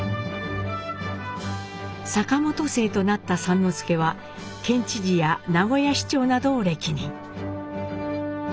坂本姓となった之助は県知事や名古屋市長などを歴任。